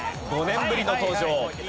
５年ぶりの登場。